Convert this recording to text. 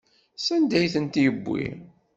Sanda ay ten-yewwi?